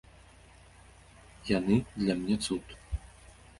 Яны для мне цуд.